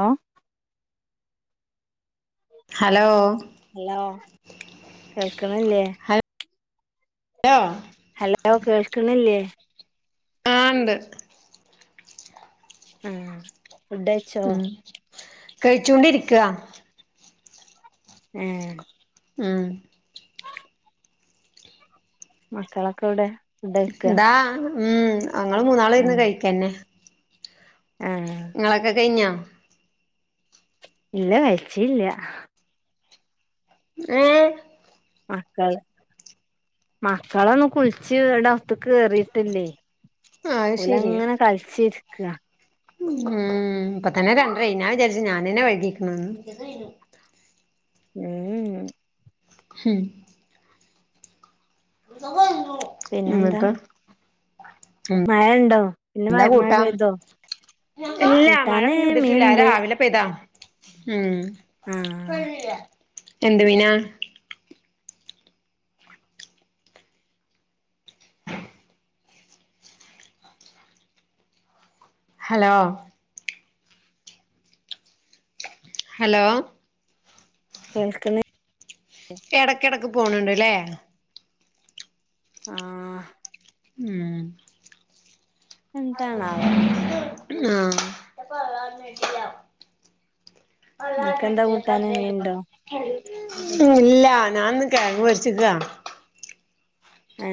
ആ hello hello കേൾക്കണില്ലേ ആ ഹലോ കേൾക്കണില്ലേ ആണ്ട് മ് മ് കഴിച്ചൊണ്ടിരിക്കാ ആ മ് മക്കളൊക്കെ എവടെ എന്താ ഉം അങ്ങള് മൂന്നാള് ഇരുന്ന് കഴിക്കന്നെ ആ ഇങ്ങളൊക്കെ കയിഞ്ഞോ ഇല്ല കഴിച്ചില്ല ആ മക്കൾ മക്കളൊന്ന് കുളിച്ച് ഇട അത്ത്ക്കെറിയിട്ടില്ലേ അത് ശരി ഉലങ്ങനെ കളിചിരിക്ക്അ ഉം ഇപ്പ തന്നെ രണ്ട്രായി ഞ വിചാരിച്ചു ഞാനന്നെ വൈകികുണുന്ന് മ് മ് [unintelligible] പിന്നെന്താ മ് മഴ ഉണ്ടോ പിന്നെ മഴ എന്താ മഴ കൂട്ടാം പെയ്തോ ഇല്ലാ മഴ കൂട്ടാന് പിന്നെ ഇതിട്ടില്ല മീൻണ്ട് രാവിലെ പെതാ മ് ആ എന്ത് മീന ഹലോ ഹലോ കേൾക്കണെ എടക്കിടക്ക് പോണണ്ട്ല്ലേ ആ മ് എന്തണാവ ആ [unintelligible] നിനക്കെന്താ കൂട്ടാന് മീനുണ്ടോ ഉ ഇല്ല ഞാനന്ന് [unintelligible] ആ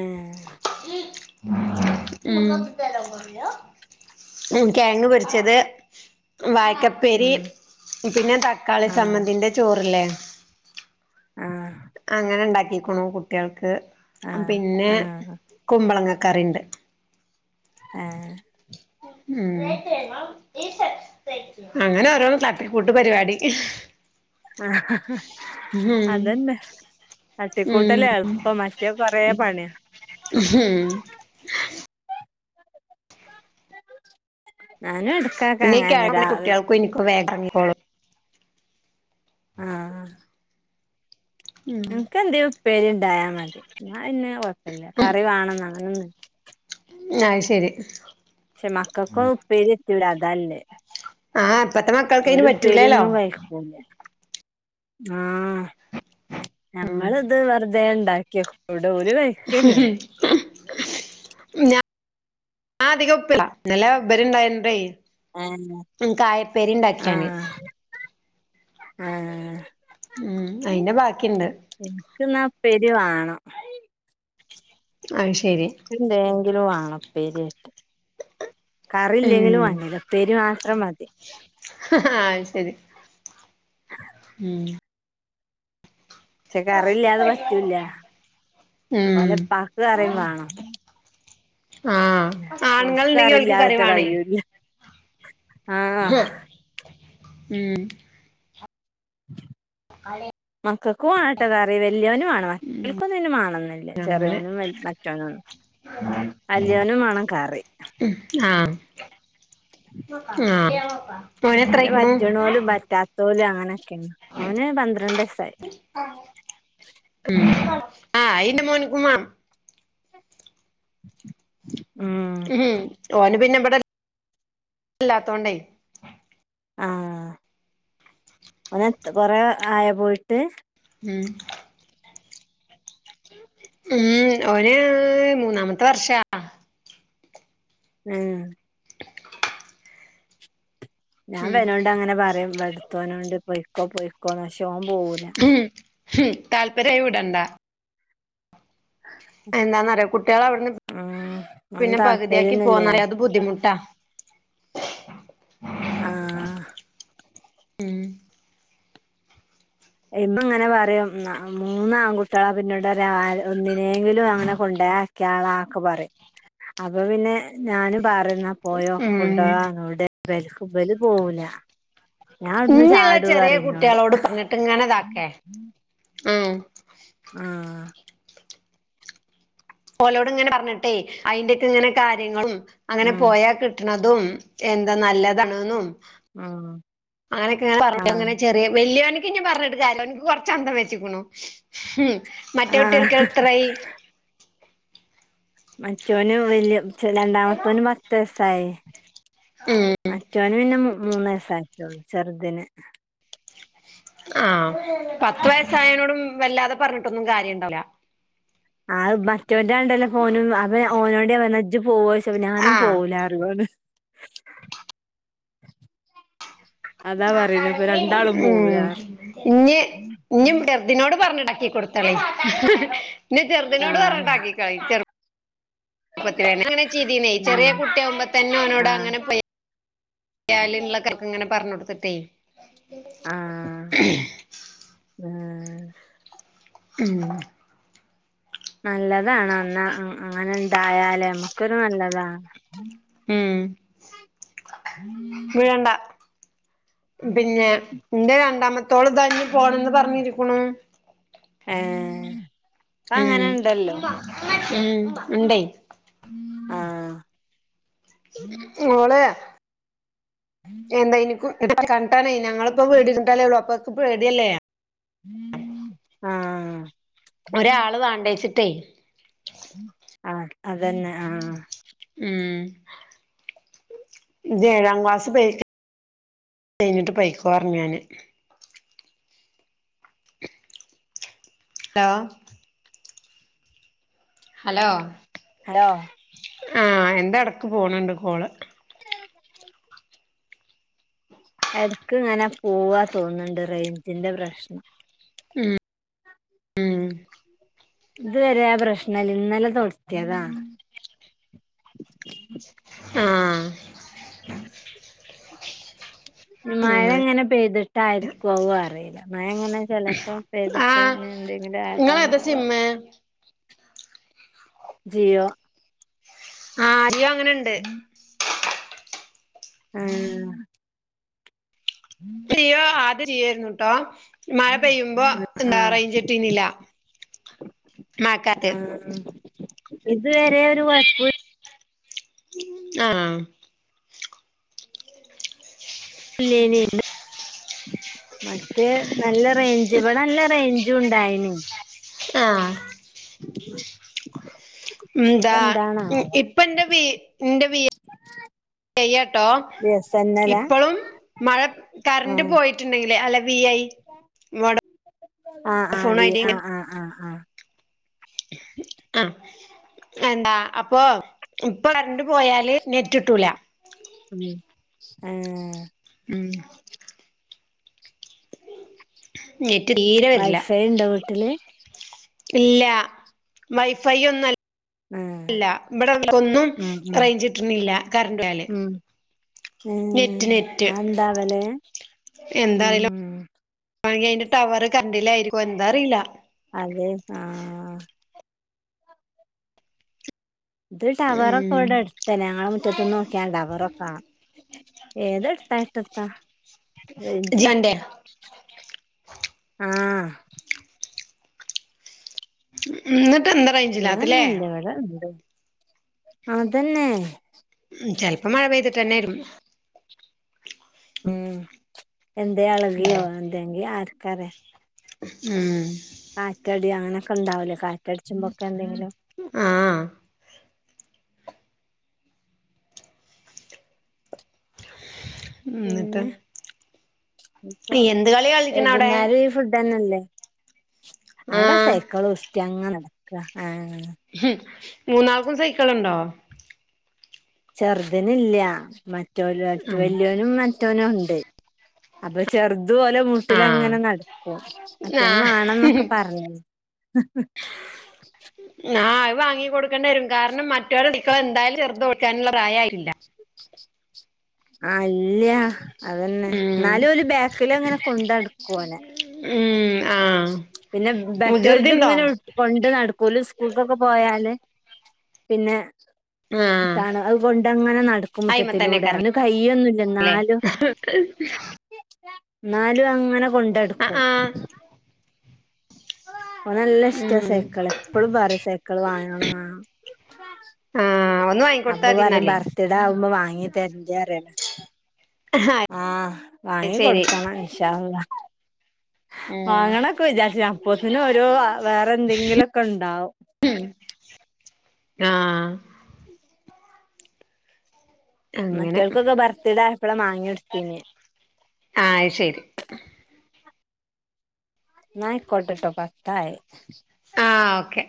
മം മം കെയങ്ക് പൊരിച്ചത് വായക്ക പ്പേരി ഉം പിന്നെ തക്കാളി ആ സമ്മന്തിന്റെ ചോറില്ലേ ആ അങ്ങന ഉണ്ടാക്കിക്കുണു കുട്ടികൾക്ക് ആഹ് പിന്നെ ആഹ് കുമ്പളങ്ങകറിണ്ട് ഏഹ് മ്ഹ് അങ്ങന ഓരോന്ന് തട്ടിക്കൂട്ട് പരിവാടി ആഹ് അതന്നെ ഉം തട്ടിക്കൂട്ടല്ലേ എളുപ്പം മറ്റേ കൊറേ പണിയാ മ്ഹ് ഞാനും എടക്കൊക്കെ പിന്നെ അങ്ങനെ [unintelligible] രാവിലെ കുട്ട്യൾക്കും എനിക്കും വേഗം എറങ്ങിക്കോളും ആഹ് ഉം എനിക്ക് എന്തേലും ഉപ്പേരി ഇണ്ടായാൽ മതി എന്ന പിന്നെ കൊഴപ്പല്ല കറി വേണന്ന് അങ്ങനൊന്നും അയ് ശരി ക്ഷെ മക്കക്കും ഉപ്പേരി [unintelligible] അതല്ലേ ആഹ് ഇപ്പത്ത മക്ക ഓല് ഉപ്പേരിയൊന്നും കഴിക്കൂല ആഹ് നമ്മളിത് വെറുതെ ഉണ്ടാക്കി വെക്കും ഇവ്ട ഒരു കൈ ന ഞാൻ അധികം [unintelligible] ഇന്നല ഇബരിണ്ടായൊണ്ടേ ഏഹ് മ്ഹ് കായ ഉപ്പേരി ഇണ്ടാക്കി ഞാന് ആഹ് ആഹ് ഉം അയിന്റെ ബാക്കിണ്ട് എനിക്ക്ന്നാ ഉപ്പേരി വേണം അയ് ശരി എന്തേങ്കിലും വേണം ഉപ്പേരി ആയിട്ട് കറി ഇല്ലെങ്കിലും വേണ്ടില്ല ഉപ്പേരി മാത്രം മതി അയ് ശരി ഉം പക്ഷെ കറില്ലാതെ പറ്റൂല ഉം ഓലെ ഉപ്പാക്ക് കറി വേണം ആഹ് ആണുങ്ങൾ [unintelligible] ഉണ്ടെങ്കി ഓൽക്ക് കറി കറില്ലാത്ത കഴിയൂല്ല ആഹ് ഉം ആയി മക്കക്കും വേണട്ടാ കറി വല്യവനും വേണവേ ഓൽക്കൊന്നും പിന്ന വാണംന്നില്ല അങ്ങനെ ചെറിയോനും വൽ മറ്റോനും വല്യോനും വേണം കറി ആഹ് ആഹ് മോന് പിന്നെ എത്രയിക്ക്ണു പറ്റണോലും പറ്റാത്തോലും അങ്ങനെക്കേണ് ഓന് പന്ത്രണ്ട് വയസ്സായി ഉം ആഹ് ഇന്റെ മോനിക്കും മ മ്ഹ് ഉം ഓന് പിന്നെ ഇവിടെ ഇല്ലാത്തോണ്ടേ ആഹ് ഓന് എത് കൊറേ ആയാ പോയിട്ട് ഉം ഉം ഓന് മൂന്നാമത്തെ വർഷാ ഉം ഞാൻ ഉം ഇവനോട് അങ്ങനെ പറയും ഇവടത്തോനോട് പോയ്ക്കോ പോയ്ക്കോ എന്ന് പക്ഷെ ഓൻ പോവൂല മ്ഹ് ഹ് മ് താൽപര്യായി വിടണ്ട എന്താന്നറിയോ കുട്ട്യൾ അവിടുന്ന് ഉം ഓന് പിന്നെ പകുതിയാക്കി താല്പര്യന്നുല്ല ഞാൻ പോന്നറയാം അത് ബുദ്ധിമുട്ടാ ആഹ് ഉം ഇമ്മ ഇങ്ങനെ പറയും ന മൂന്ന് ആൺകുട്ടികളാ പിന്നീട് ഒരാള് ഒന്നിനേങ്കിലും അങ്ങനെ കൊണ്ടോയ് ആ കേളാക്ക് പറയും അപ്പൊ പിന്നെ ഞാനും പറയും എന്നാ ഉം പോയോക്കുണ്ടേ [unintelligible] ഇവല് പോവൂല ഞാൻ ഇവിടുന്ന് ഇന്നിയുള്ള ചാടും ചെറിയ പറയും ഇന്നോട് കുട്ടികളോട് പറഞ്ഞിട്ട് ഇങ്ങനെ ഇതാക്കെ ഉം ആഹ് ഓലോട് ഇങ്ങനെ പറഞ്ഞിട്ടെ അയിന്റെയൊക്കെ ഇങ്ങനെ കാര്യങ്ങളും അങ്ങനെ ഉം പോയാ കി കിട്ടാണതും എന്താ നല്ലതണൊന്നും ആഹ് അങ്ങനൊക്കെങ്ങനെ ചെറിയ വലിയ ഇനി പറഞ്ഞട്ട് കാലോ അവന്ക് കൊറച്ച അന്തം വെച്ചക്കണു ഉം മറ്റേ ആഹ് കുട്ടികർക്ക് എത്രായി മറ്റോന് വല്യചെ രണ്ടാമത്തോന് പത്ത് വയസായെ. ഉം മറ്റോന് പിന്നെ മൂ മൂന്നയസായിട്ടൊള്ളൂ ചെറുതിന്. ആഹ് പത്ത് വയസ്സായനോടും വല്ലാതെ പറഞ്ഞിട്ടൊന്നും കാര്യം ഇണ്ടാവുല. ആഹ് ബ റ്റോറ്റണ്ടലേപ്പോനും അതാ ഞാഓനോടെറഞ്ഞെ ഇജ് പോവയിച്ചപ്പോ ഞാനും ആഹ് പോവൂലാറഞ്. അതാ പറയണെ ഇപ്പൊ മ് രണ്ടാളും പോവൂലാറയും. ഇഞ്ഞി ഇഞ്ഞി ഇതിനോട് പറഞ്ഞിടാക്കി കൊടുതോളി ഇനി ചെറ്തിനോട് ആഹ് പറഞ്ഞിട്ടാക്കിക്കാളി ചെറ ഞാനങ്ങനെ ചെയ്‌തീനി ചെറിയ ഉം കുട്ടിയാവുമ്പതന്നെ ഒനോട് ആഹ് അങ്ങനെ പ്ലെ. ല്യാളിളാർക്ക് ഇങ്ങനെ പറഞ്ഞൊടുത്തിട്ടേ. ആഹ് ആഹ് ഉം നല്ലതാണ് അന്ന അങ്ങനെ ഇണ്ടായാലേ നമുക്കൊരു നല്ലതാ. ഉം വീഴണ്ടാ. പിന്നെ എന്റ രണ്ടാമത്തോള് ഇതാ ഇനി പോണന്ന് പറഞ്ഞിരിക്കണു. ഏഹ് ഇപ്പ അങ്ങനെ ഉം ഇണ്ടല്ലോ ഉം ആഹ്. ഓളെ. എന്താ ഇനിക്കും കണ്ടാനേ ഞങ്ങളിപ്പോ വീടെട്ടാലേ ള്ളൂ അപ്പൊക്ക് പേടിയല്ലേ. ആഹ് ഒരാള് വാണ്ടെവെച്ചിട്ടേ. ആഹ് അതന്നെ ആഹ്. ഉം. ഇജി ഏഴാം ക്ലാസ് കയിഞ്ഞിട്ട് പൊയ്ക്കോറഞ് ഞാന്. Hello hello. ഹലോ. ആഹ് എന്റെടക്ക് പോണണ്ട് കോള്. എടക്ക് ഇങ്ങനെ പോവാ തോന്ന്ണ്ട് റേഞ്ചിന്റെ പ്രശ്നം. ഉം ഉം ഇത് വരെ ആഹ് പ്രശ്നം ഇല്ല ഇന്നലെ തൊടത്തിയതാ. ആഹ്. മഴ അങ്ങനെ ഇങ്ങനെ പെയ്തിട്ടായിരിക്കോ ആവോ അറിയില്ല മഴ ഇങ്ങനെ ചെലപ്പം പെയ്തിട്ട് ആഹ് ഇനി എന്തെങ്കിലും അയതാണോന്ന് ഇങ്ങളേതാ അറിയില്ല സിമ്മ് ജിയോ. ആഹ് ജിയോ അങ്ങനെ ആഹ്. ജിയൊ ആദ്യ ജിയൊ അരുന്നുട്ടോ. മഴപെയ്യുമ്പോ എന്താ ആഹ് റയ്ഞ്ചട്ടീനില്ല മഴ കാലത്ത് ഇത്വരെ ഒരുകൊഴ്പ്പ. ആഹ് ല്യേനി മറ്റേ നല്ല റേഞ്ച് ഇവിടെ നല്ല റേഞ്ച്. ഞ്ചുണ്ടായിനി. ആഹ്. [inaudible] ഇപ്പ എന്താ എന്താണാവോ ഇപ്പ എന്റെ വി എന്റെ വീ ചെയ്യട്ടോ ബി എസ് എൻ എലാ ഇപ്പോഴും മഴ കറന്റ് ആഹ് പോയി ച്ചുണ്ടങ്കിലെ അല്ല വി. ഐ വോഡ ആഹ് ആഹ് വി ഫോണായിട്ട് ആഹ് ആഹ് ആഹ് ആഹ് ആഹ് എന്താ അപ്പൊ ഇപ്പൊ കറണ്ടു പോയാല് നെറ്റ് കിട്ടൂല്ല. ഉം ആഹ് ഉം നെറ്റ് തീരെ വരില്ല വൈഫൈ ഉണ്ടോ വീട്ടില്? ഇല്ല വൈഫൈ ഒന്നുംല്ല ആഹ് ല്ല ഇവിടെ ക്കൊന്നും ഉം റേഞ്ച് കിട്ടുന്നില്ല കറണ്ട് ഇല്ലാല്. ഓ അതെന്താ അങ്ങനെ? ഉം. വേണോങ്കി അയിന്റെ ടവർ കണ്ടില്ലായിരിക്കും എന്താ അറിയില്ല. അതെ ആഹ്. ഇത് ടവറാക്കെ ഉം ഇവിടെ അടുത്തു തന്നെ ഞങ്ങളെ മുറ്റ തിന്നു നോക്കിയണ്ട വെറുപ്പാ ഏതെടുത്തായിട്ടത്താ ജിയോന്റെ ആഹ്. എന്നിട്ട് എന്താ റേഞ്ചില്ലാത്തല്ലേ [unintelligible] അത് തന്നെ. ഉം ചെലപ്പം മഴ പെയ്തിട്ട് തന്നൊയിരു ഉം എന്തഎളകിയോ? എന്തെങ്കി ആർക്കറിയാം. ഉം കാറ്റടി അങ്ങനെയൊക്കെ ഉണ്ടാവലേ കാറ്റടിച്ചുമ്പൊക്കെ എന്തെങ്കിലും ആഹ് എന്നിട്ട് പിന്നെ? എന്ത് കളി കളിക്കണ അവിടെ വൈകുന്നേരം ഈ ഫുഡ് തന്നെ അല്ലേ അവിടെ ആഹ് സൈക്കിൾ ഉരുട്ടി അങ്ങനെ നടക്കുക. ആഹ് ഹും മൂന്നാൾക്കും സൈക്കിൾ ഉണ്ടോ? ചെറുതിനില്ല മറ്റവര് വലിയ മറ്റവനും ഉണ്ട്. അപ്പൊ ചെറുതു ഓല് ആഹ് മുട്ടിലങ്ങനെ നടക്കും. മറ്റവന് ആഹ് വേണംന്നൊക്കെ പറഞ്ഞേ ആഹ് അത് വാങ്ങികൊടുക്കേണ്ട വരും കാരണം മറ്റവര് ഓടിക്കണ എന്തായും ചെറുത് ഓടിക്കാനുള്ള പ്രായമായില്ല. [inaudible] ആ ഇല്ല്യാ അത് തന്നെ ഉം എന്നാലും ഒരു ബാക്കിലിങ്ങനെ കൊണ്ടു നടക്കു ഓനെ. ഉം ആഹ് പിന്നെ മറ്റോൽത് വ്യകൃതിയുണ്ടോ? ഇങ്ങനെ കൊണ്ട് നടക്കും ഓല് സ്കൂൾക്കൊക്കെ പോയാല് പിന്നെ ആഹ് ട്ടാണ് അതുകൊണ്ട് അങ്ങനെ നടക്കും അയിമ മുറ്റത്തിലൂടെ തന്നെക്കാരം അവന് കയ്യൊന്നും ഇല്ല ല്ലേ എന്നാലും എന്നാലും അങ്ങനെ കൊണ്ടു ആഹ് നടക്കും. ആഹ് ഓന് നല്ല ഇഷ്ടവാ ഉം സൈക്കിൾ. എപ്പഴും പറയും സൈക്കിൾ വാങ്ങണം വാങ്ങ ആഹ് ഒന്ന് അപ്പ വാങ്ങിക്കൊടുത്താ മതി പറയും പറ ന്നാല് ബെർത്തിടുവാകുമ്പം വാങ്ങിതരില്ല പറയും. ആഹ് അത് വാങ്ങി ശരി കൊടുക്കണം ഇൻഷാ അള്ളാ. ഉം വാങ്ങണംഒക്കെ വിചാരിച്ച അപ്പത്തിന് ഒരോ വേറെ എന്തെങ്കിലും ഒക്കെ ഉണ്ടാവും. ആഹ് അങ്ങനെ മറ്റവർകൊക്കെ ബർത്ത് ഡേ ആയപ്പളാ വാങ്ങി കൊടുത്തേനി. ആഹ് അത് ശരി എന്നാ ആയികോട്ടെട്ടോ പത്തായി. ആഹ് ഓക്കെ.